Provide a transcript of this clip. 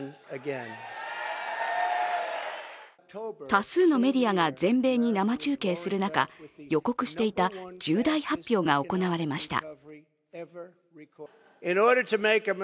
多数のメディアが全米に生中継する中予告していた重大発表が行われました。